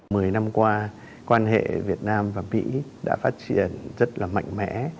mười năm qua quan hệ việt nam và mỹ đã phát triển rất là mạnh mẽ